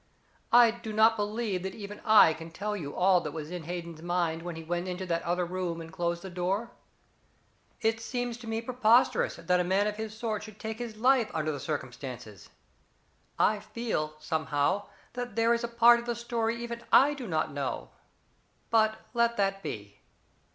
I do not believe that even I can tell you all that was in Hayden's mind when he went into that other room and closed the door. It seems to me preposterous that a man of his sort should take his life under the circumstances I feel, somehow, that there is a part of the story even I do not know. But let that be."